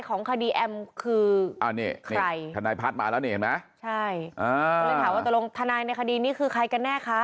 ก็เลยถามว่าตกลงทนายในคดีนี้คือใครกันแน่คะ